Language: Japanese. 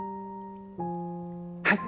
はい。